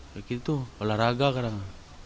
begitu olahraga kadang